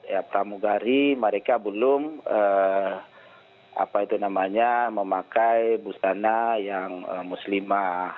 ya pramugari mereka belum apa itu namanya memakai busana yang muslimah